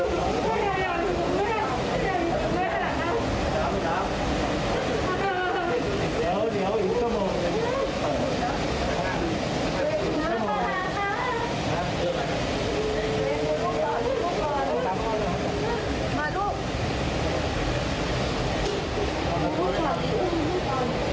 สวัสดีครับสวัสดีครับ